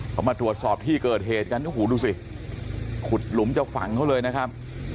เขามาตรวจสอบที่เกิดเหตุกันโอ้โหดูสิขุดหลุมจะฝังเขาเลยนะครับ